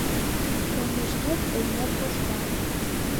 Толмешкет, эҥер кошка.